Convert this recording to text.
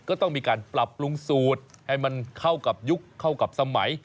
ก็ต้องมีการปรับปรุงสูตรให้มันเข้ากับยุคเข้ากับสมัย